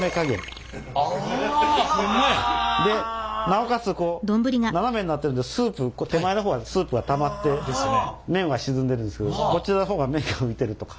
でなおかつ斜めになってるので手前の方はスープがたまって麺は沈んでるんですけどこちらの方が麺が浮いてるとか。